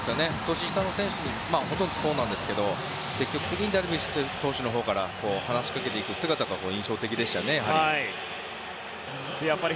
年下の選手にほとんどそうなんですけど積極的にダルビッシュ投手のほうから話しかけていく姿が印象的でしたよね、やっぱり。